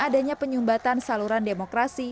adanya penyumbatan saluran demokrasi